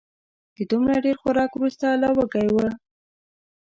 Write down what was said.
د دومره ډېر خوراک وروسته لا وږی و